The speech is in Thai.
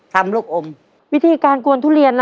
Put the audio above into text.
ลูกอมวิธีการกวนทุเรียนนะ